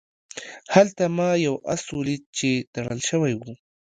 هلته ما یو آس ولید چې تړل شوی و.